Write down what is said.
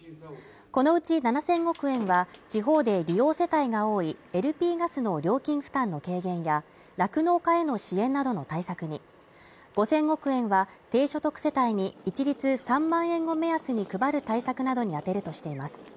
このうち７０００億円は、地方で利用世帯が多いＬＰガスの料金負担の軽減や酪農家への支援などの対策に５０００億円は低所得世帯に一律３万円を目安に配る対策などに充てるとしています。